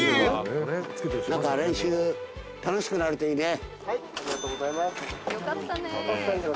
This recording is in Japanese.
練習楽しくなるといいね。